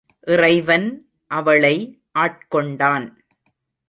இறைவன் அவளை ஆட்கொண்டான்.